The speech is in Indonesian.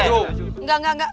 enggak enggak enggak